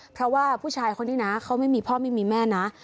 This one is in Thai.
เพราะว่าผู้ชายคนนี้นะเขาไม่มีพ่อไม่มีแม่นะ